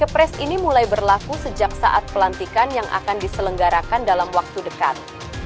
kepres ini mulai berlaku sejak saat pelantikan yang akan diselenggarakan dalam waktu dekat